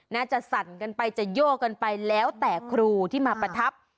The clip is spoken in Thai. จะสั่นกันไปจะโยกกันไปแล้วแต่ครูที่มาประทับ